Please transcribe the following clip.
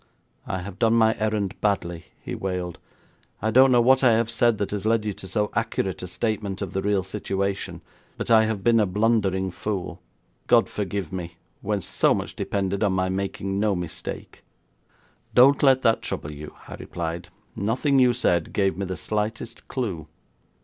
'I have done my errand badly,' he wailed. 'I don't know what I have said that has led you to so accurate a statement of the real situation, but I have been a blundering fool. God forgive me, when so much depended on my making no mistake.' 'Don't let that trouble you,' I replied; 'nothing you said gave me the slightest clue.'